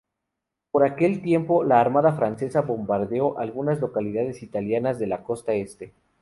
Por aquel tiempo, la armada francesa bombardeó algunas localidades italianas de la costa este.